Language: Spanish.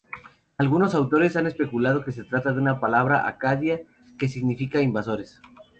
Algunos autores han especulado que se trata de una palabra acadia que significa "invasores".